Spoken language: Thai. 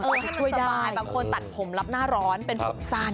ให้ช่วยสบายบางคนตัดผมรับหน้าร้อนเป็นผมสั้น